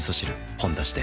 「ほんだし」で